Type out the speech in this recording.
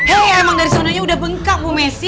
heo emang dari sonanya udah bengkak bu messi